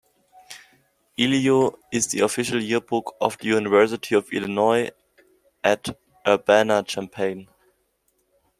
"Illio" is the official yearbook of the University of Illinois at Urbana-Champaign.